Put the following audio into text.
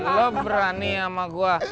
lo berani sama gue